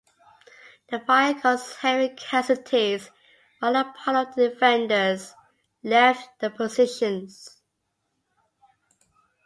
The fire caused heavy casualties, while a part of the defenders left their positions.